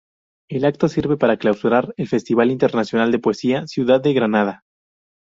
El acto sirve para clausurar el Festival Internacional de Poesía Ciudad de Granada.